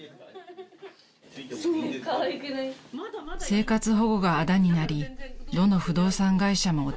［生活保護があだになりどの不動産会社もお手上げ］